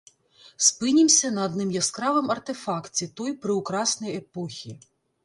Спынімся на адным яскравым артэфакце той прыўкраснай эпохі.